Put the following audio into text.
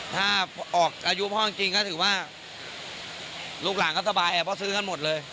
ถ้าออกอายุพ่อจริงก็ถือว่าลูกหลานก็สบายแอบเพราะซื้อกันหมดเลย